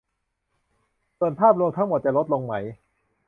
ส่วนภาพรวมทั้งหมดจะลดลงไหม